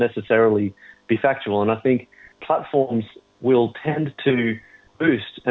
seperti reaksi yang sangat berjalan dari orang